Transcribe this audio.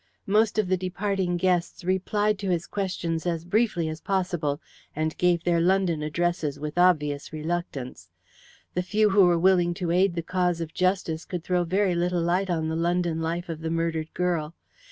Most of the departing guests replied to his questions as briefly as possible, and gave their London addresses with obvious reluctance; the few who were willing to aid the cause of justice could throw very little light on the London life of the murdered girl.